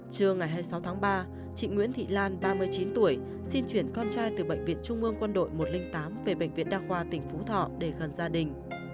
trưa ngày hai mươi sáu tháng ba chị nguyễn thị lan ba mươi chín tuổi xin chuyển con trai từ bệnh viện trung ương quân đội một trăm linh tám về bệnh viện đa khoa tỉnh phú thọ để gần gia đình